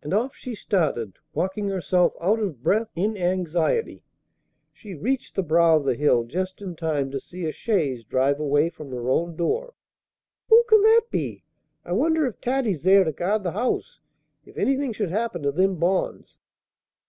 And off she started, walking herself out of breath in anxiety. She reached the brow of the hill just in time to see a chaise drive away from her own door. "Who can that be? I wonder if Taddy's ther' to guard the house! If anything should happen to them bonds!"